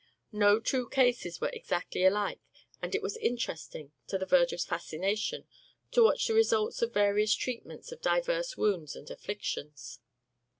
No two cases were exactly alike and it was interesting, to the verge of fascination, to watch the results of various treatments of divers wounds and afflictions.